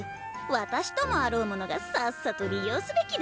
私ともあろうものがさっさと利用すべきでしたの。